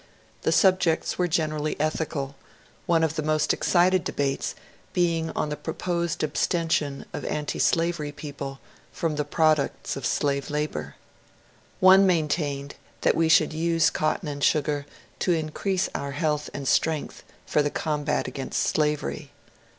The subjects were generaUy ethical, one of the most excited debates being on the proposed absten tion of antislavery people from the products of slave labour. One maintained that we should use cotton and sugar to in crease our health and strength for the combat against slavery.